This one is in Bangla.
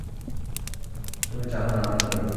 তুমি জানো না আমি কে।